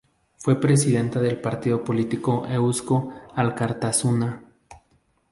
Fue presidenta del partido político Eusko Alkartasuna.